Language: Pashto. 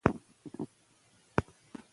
د ښځو ملاتړ د ټولنې ځواک زیاتوي.